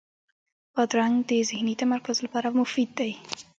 بادرنګ د ذهني تمرکز لپاره مفید دی.